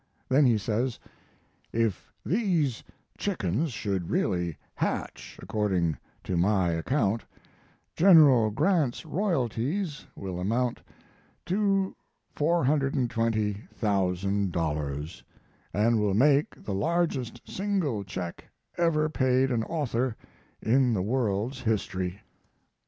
Then he says: If these chickens should really hatch according to my account, General Grant's royalties will' amount to $420,000, and will make the largest single check ever paid an author in the world's history.